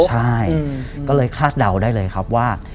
ใช่ก็เลยคาดเดาได้เลยครับว่า